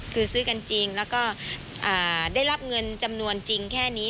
คือซื้อกันจริงแล้วก็ได้รับเงินจำนวนจริงแค่นี้